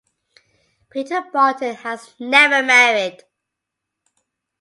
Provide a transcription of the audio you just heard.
Peter Barton has never married.